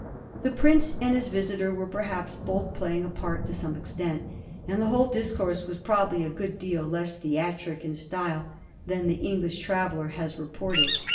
The Prince and his visitor were perhaps both playing a part to some extent, and the whole discourse was probably a good deal less theatric in style than the English traveller has reported.